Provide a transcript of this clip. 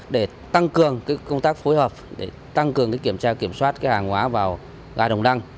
để tăng cường công tác phối hợp để tăng cường kiểm tra kiểm soát hàng hóa vào ga đồng đăng